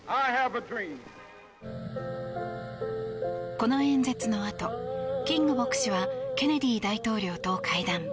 この演説のあと、キング牧師はケネディ大統領と会談。